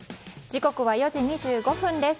時刻は４時２５分です。